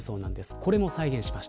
これも再現しました。